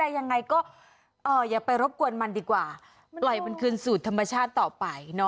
ว่าอย่างง่ายก็อย่าไปรบกวนมันดีกว่าใหม่มันคืนสูตรธรรมชาติต่อไป